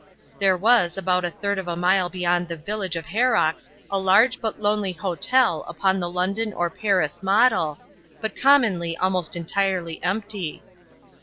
There was about a third of a mile beyond the village of Haroc a large but lonely hotel upon the London or Paris model, but commonly almost entirely empty.